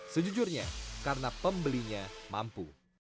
sejujurnya karena pembelinya mampu